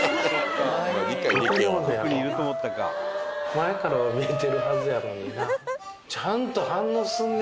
前からは見えてるはずやのにな。